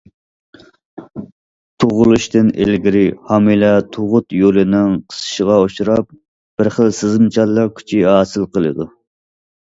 تۇغۇلۇشتىن ئىلگىرى ھامىلە تۇغۇت يولىنىڭ قىسىشىغا ئۇچراپ، بىر خىل سېزىمچانلىق كۈچى ھاسىل قىلىدۇ.